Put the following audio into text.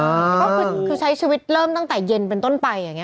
ก็คือใช้ชีวิตเริ่มตั้งแต่เย็นเป็นต้นไปอย่างนี้